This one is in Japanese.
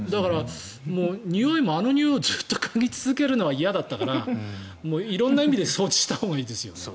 においもあのにおいをずっとかぎ続けるのは嫌だったから色んな意味で掃除したほうがいいですよね。